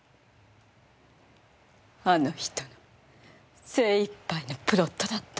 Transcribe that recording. あの人の精いっぱいのプロットだった。